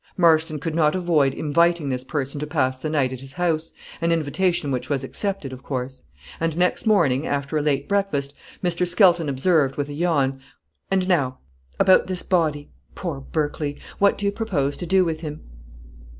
Marston could not avoid inviting this person to pass the night at his house, an invitation which was accepted, of course; and next morning, after a late breakfast, Mr. Skelton observed, with a yawn "And now, about this body poor Berkley! what do you propose to do with him?"